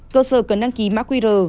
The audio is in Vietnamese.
cơ sở cần đăng ký mã qr